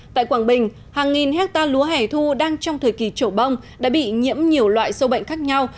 tại quảng bình hàng nghìn hectare lúa hẻ thu đang trong thời kỳ trổ bông đã bị nhiễm nhiều loại sâu bệnh khác nhau